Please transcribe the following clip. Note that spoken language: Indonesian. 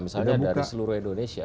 misalnya dari seluruh indonesia